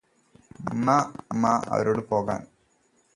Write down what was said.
മമ്മ മമ്മ അവരോട് പോകാന്